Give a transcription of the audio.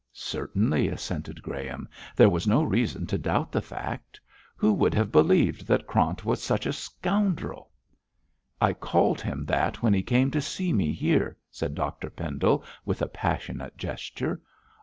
'Certainly,' assented Graham, 'there was no reason to doubt the fact. Who would have believed that Krant was such a scoundrel?' 'I called him that when he came to see me here,' said Dr Pendle, with a passionate gesture.